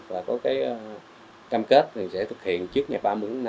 và có cam kết sẽ thực hiện trước ngày ba mươi tháng năm